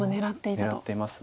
狙っています。